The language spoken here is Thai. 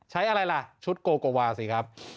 อะไรล่ะชุดโกโกวาสิครับ